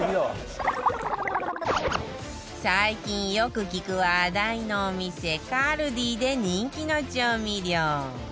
最近よく聞く話題のお店 ＫＡＬＤＩ で人気の調味料